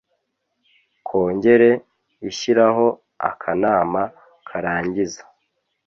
kongere ishyiraho akanama karangiza